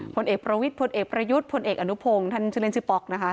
พลเอกประวิทย์พลเอกประยุทธ์พลเอกอนุพงศ์ท่านชื่อเล่นชื่อป๊อกนะคะ